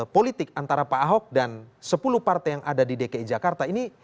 politik antara pak ahok dan sepuluh partai yang ada di dki jakarta ini